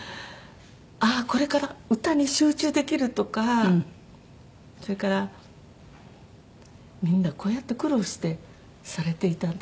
ああこれから歌に集中できるとかそれからみんなこうやって苦労してされていたんだ